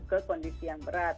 itu kondisi yang berat